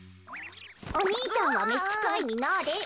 お兄ちゃんはめしつかいになれ。